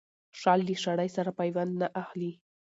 شال له شړۍ سره پيوند نه اخلي.